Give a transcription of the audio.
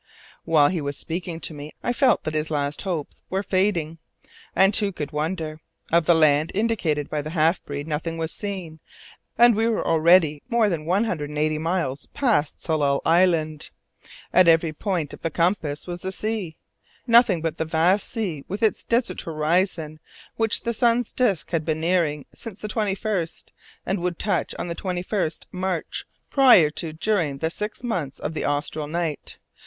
While he was speaking to me I felt that his last hopes were fading. And who could wonder? Of the land indicated by the half breed nothing was seen, and we were already more than one hundred and eighty miles from Tsalal Island. At every point of the compass was the sea, nothing but the vast sea with its desert horizon which the sun's disk had been nearing since the 21st of December, and would touch on the 21st March, prior to disappearing during the six months of the austral night.